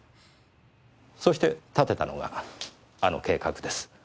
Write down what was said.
そして立てたのがあの計画です。